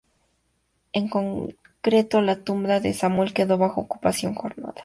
En concreto, la Tumba de Samuel quedó bajo ocupación jordana.